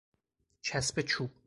چسب چوب